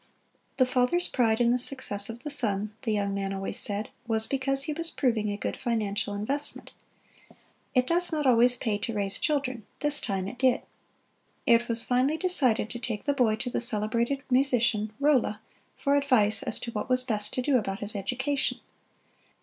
The father's pride in the success of the son, the young man always said, was because he was proving a good financial investment. It does not always pay to raise children this time it did. It was finally decided to take the boy to the celebrated musician, Rolla, for advice as to what was best to do about his education.